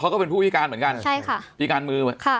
ก็เป็นผู้พิการเหมือนกันใช่ค่ะพิการมือค่ะ